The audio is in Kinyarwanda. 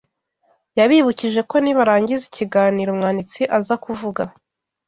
Yabibukije ko nibarangiza ikiganiro umwanditsi aza kuvuga